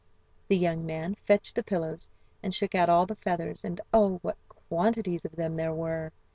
The young man fetched the pillows, and shook out all the feathers, and oh! what quantities of them there were!